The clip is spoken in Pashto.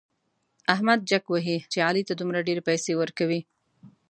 احمد جک وهي چې علي ته دومره ډېرې پيسې ورکوي.